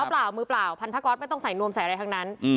เปล่ามือเปล่าพันธอตไม่ต้องใส่นวมใส่อะไรทั้งนั้น